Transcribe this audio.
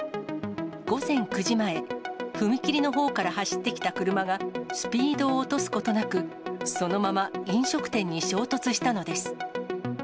午前９時前、踏切のほうから走ってきた車が、スピードを落とすことなく、そのまま飲食店に衝突したのです。